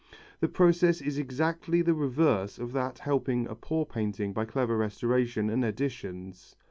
The process is exactly the reverse of that helping a poor painting by clever restoration and additions.